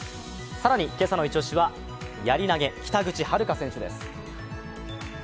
更に今朝のイチオシはやり投・北口榛花選手です。